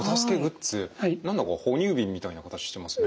何だか哺乳瓶みたいな形してますね。